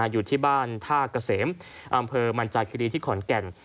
อยู่ที่บ้านท่าเกษมอำเภอมันจากคิรีที่ขอนแก่น